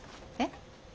えっ？